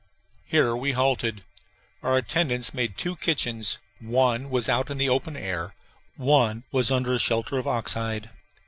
Here we halted. Our attendants made two kitchens: one was out in the open air, one was under a shelter of ox hide.